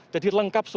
jadi lengkap sekali